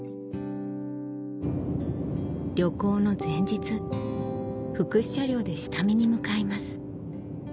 旅行の前日福祉車両で下見に向かいます